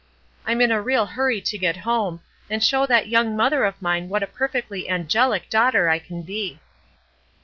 I'm in a real hurry to get home, and show that young mother of mine what a perfectly angelic daughter I can be."